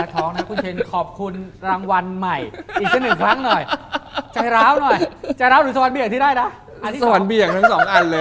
ต่อให้มันดัง